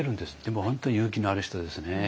でも本当勇気のある人ですね。